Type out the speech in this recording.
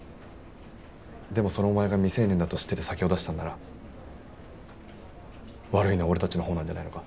でもそのお前が未成年だと知ってて酒を出したんなら悪いのは俺たちのほうなんじゃないのか？